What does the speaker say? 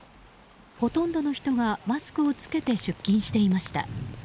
ほとんどの人がマスクを着けて出勤していました。